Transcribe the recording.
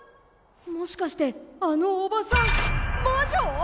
もしかしてあのおばさん魔女？